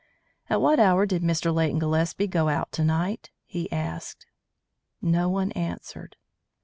"At what hour did Mr. Leighton Gillespie go out to night?" he asked. No one answered.